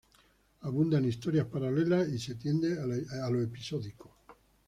Abundan historias paralelas y se tiende a lo episódico.